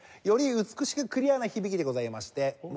より美しくクリアな響きでございまして。